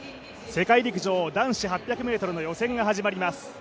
世界陸上男子８００ｍの予選が始まります。